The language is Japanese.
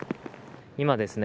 今ですね